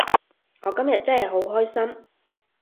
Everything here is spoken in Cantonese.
我今日真係好開心